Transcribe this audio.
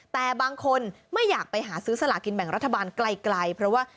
แต่บางคนไม่อยากไปหาซื้อสลากินแบ่งรัฐบาลไกลเพราะว่า